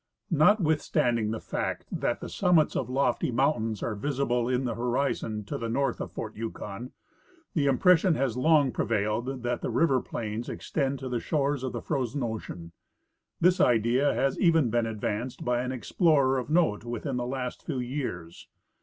Notwithstanding the fact that the summits of lofty mountains are visible in the horizon to the north of fort Yukon, the impression has long j^revailed that the river plains extend to the shores of the frozen ocean. This idea has even been advanced by an explorer of note within the last few years.